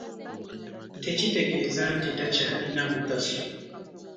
Tekitegeeza nti takyalina mugaso.